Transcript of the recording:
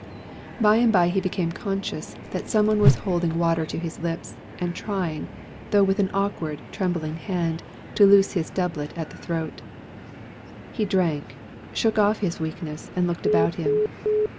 By and by he became conscious that some one was holding water to his lips, and trying, though with an awkward, trembling hand, to loose his doublet at the throat. He drank, shook off his weakness, and looked about him.